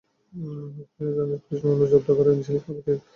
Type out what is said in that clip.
খোঁজ নিয়ে জানা যায়, পুলিশ মামলায় জব্দ করা জিনিস আলামত হিসেবে দাখিল করে।